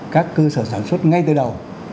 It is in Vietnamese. các cơ sở sản xuất ngay từ đầu